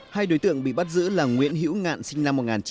hai đối tượng bị bắt giữ là nguyễn hữu ngạn sinh năm một nghìn chín trăm tám mươi